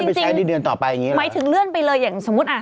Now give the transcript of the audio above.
นี่ของรถเมย์จริงหมายถึงเลื่อนไปเลยอย่างสมมุติ